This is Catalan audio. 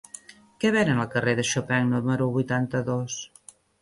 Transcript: Què venen al carrer de Chopin número vuitanta-dos?